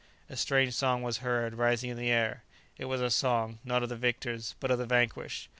A strange song was heard rising in the air. It was a song, not of the victors, but of the vanquished.